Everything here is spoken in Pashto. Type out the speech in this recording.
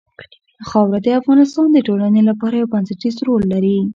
خاوره د افغانستان د ټولنې لپاره یو بنسټيز رول لري.